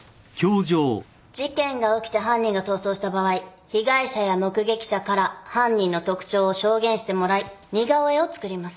事件が起きて犯人が逃走した場合被害者や目撃者から犯人の特徴を証言してもらい似顔絵を作ります。